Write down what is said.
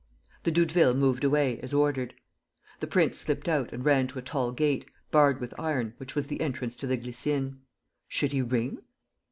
The Doudevilles moved away, as ordered. The prince slipped out and ran to a tall gate, barred with iron, which was the entrance to the Glycines. Should he ring?